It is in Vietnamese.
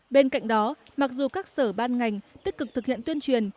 bên cạnh đó mặc dù các sở ban ngành tích cực thực hiện tuyên truyền